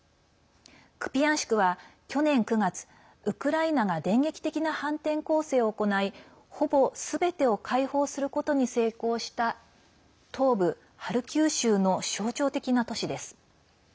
クピヤンシクは、去年９月ウクライナが電撃的な反転攻勢を行いほぼすべてを解放することに成功した東部ハルキウ州の象徴的な都市です。